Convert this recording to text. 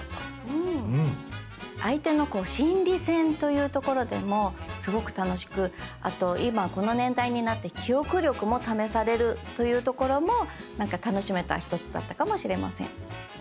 相手の心理戦というところでもすごく楽しくあと今この年代になって記憶力も試されるというところも楽しめた一つだったかもしれません。